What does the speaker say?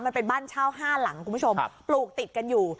มันเป็นบ้านเช่า๕หลังคุณผู้ชมปลูกติดกันอยู่